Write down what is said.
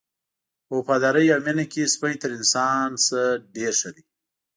په وفادارۍ او مینه کې سپی تر انسان نه ډېر ښه دی.